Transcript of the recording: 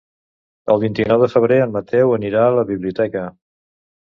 El vint-i-nou de febrer en Mateu anirà a la biblioteca.